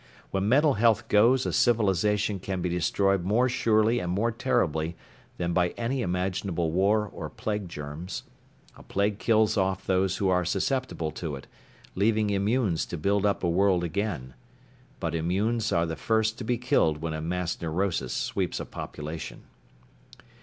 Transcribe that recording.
When mental health goes a civilization can be destroyed more surely and more terribly than by any imaginable war or plague germs. A plague kills off those who are susceptible to it, leaving immunes to build up a world again. But immunes are the first to be killed when a mass neurosis sweeps a population.